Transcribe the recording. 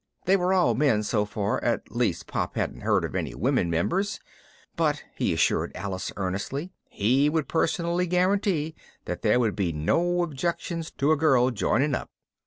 They were all men so far, at least Pop hadn't heard of any women members, but he assured Alice earnestly he would personally guarantee that there would be no objections to a girl joining up.